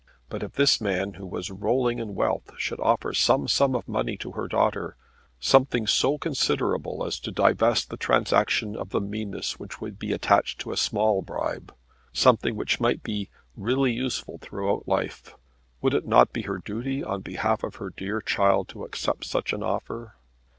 But if this man who was rolling in wealth should offer some sum of money to her daughter, something so considerable as to divest the transaction of the meanness which would be attached to a small bribe, something which might be really useful throughout life, would it not be her duty, on behalf of her dear child, to accept such an offer?